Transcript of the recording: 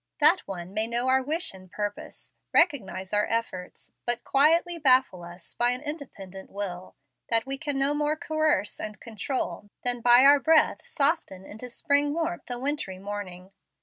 That one may know our wish and purpose, recognize our efforts, but quietly baffle us by an independent will that we can no more coerce and control than by our breath soften into spring warmth a wintry morning.